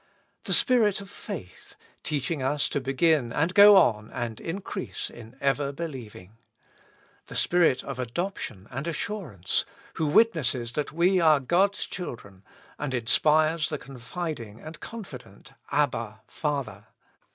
The Spirit of faith, teaching us to begin and go on and increase in ever believing. The Spirit of adoption and assurance, who witnesses that we are God's children, and inspires the confiding and confi dent Abba, Father